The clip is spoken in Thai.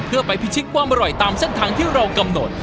เพื่อไปพิชิตความอร่อยตามเส้นทางที่เรากำหนด